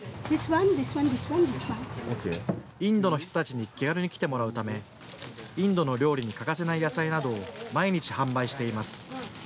インドの人たちに気軽に来てもらうためインドの料理に欠かせない野菜などを毎日、販売しています。